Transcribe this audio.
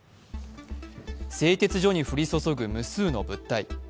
製鉄所に降り注ぐ無数の物体。